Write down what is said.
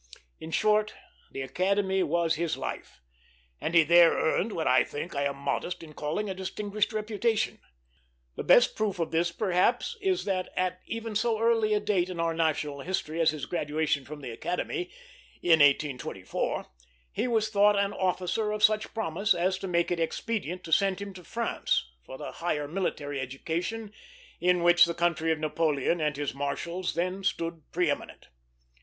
In short, the Academy was his life, and he there earned what I think I am modest in calling a distinguished reputation. The best proof of this perhaps is that at even so early a date in our national history as his graduation from the Academy, in 1824, he was thought an officer of such promise as to make it expedient to send him to France for the higher military education in which the country of Napoleon and his marshals then stood pre eminent.